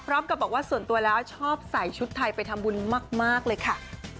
พร้อมกับบอกว่าส่วนตัวแล้วชอบใส่ชุดไทยไปทำบุญมากเลยค่ะ